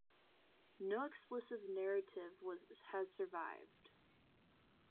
No explicit narrative has survived.